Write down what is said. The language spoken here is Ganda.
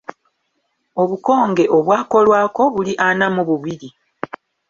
Obukonge obwakolwako buli ana mu bubiri.